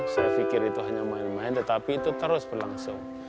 saya pikir itu hanya main main tetapi itu terus berlangsung